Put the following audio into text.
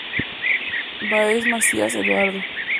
Báez Macías, Eduardo.